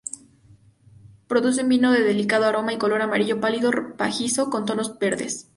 Produce un vino de delicado aroma y color amarillo pálido pajizo con tonos verdes.